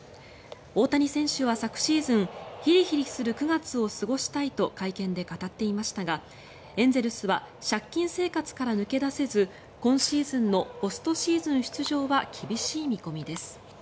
大谷選手は昨シーズンヒリヒリする９月を過ごしたいと会見で語っていましたがエンゼルスは借金生活から抜け出せず今シーズンのポストシーズン出場は厳しい見込みです。